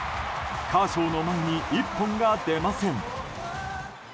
カーショーの前に一本が出ません。